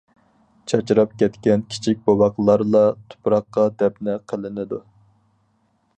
چاچراپ كەتكەن كىچىك بوۋاقلارلا تۇپراققا دەپنە قىلىنىدۇ.